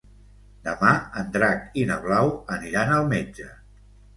Demà en Drac i na Blau aniran al metge.